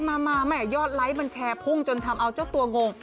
มาแม่ยอดไลค์มันแชร์พุ่งจนทำเอาเจ้าตัวงง